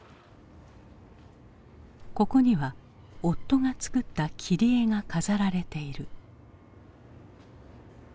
ここには夫が作った切り絵が飾られている。